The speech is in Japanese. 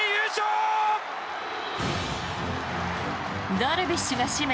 ダルビッシュが締め